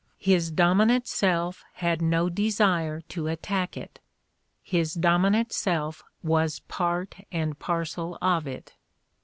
His dominant self had no desire to attack it; his dominant self was part and parcel of it.